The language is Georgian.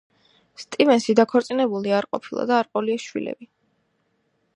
სტივენსი დაქორწინებული არ ყოფილა და არ ჰყოლია შვილები.